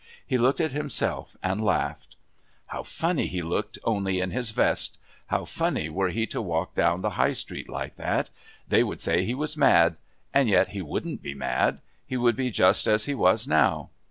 He looked at himself and laughed. How funny he looked only in his vest how funny were he to walk down the High Street like that! They would say he was mad. And yet he wouldn't be mad. He would be just as he was now.